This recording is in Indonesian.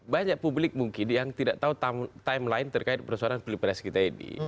banyak publik mungkin yang tidak tahu timeline terkait persoalan pilpres kita ini